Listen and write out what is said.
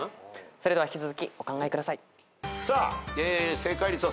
それでは引き続きお考えください。